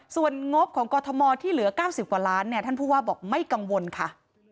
ส่วนงบของกรทมที่เหลือ๙๐กว่าล้านเนี่ยท่านผู้ว่าบอกไม่กังวลค่ะ